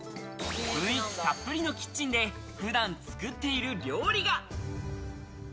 雰囲気たっぷりのキッチンで普段作っている料理が。